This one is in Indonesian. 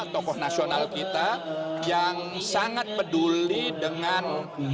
tokoh nasional kita yang sangat peduli dengan